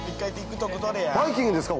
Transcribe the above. バイキングですか？